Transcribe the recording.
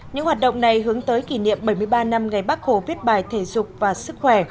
những hoạt động này hướng tới kỷ niệm bảy mươi ba năm ngày bác hồ viết bài thể dục và sức khỏe